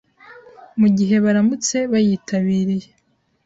mu gihe baramutse bayitabiriye